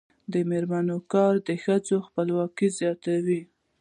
د میرمنو کار د ښځو خپلواکي زیاتوي.